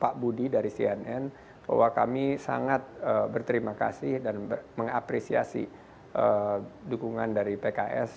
pak budi dari cnn bahwa kami sangat berterima kasih dan mengapresiasi dukungan dari pks